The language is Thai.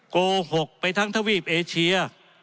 โกหกไปทั้งทวีปเอเชีย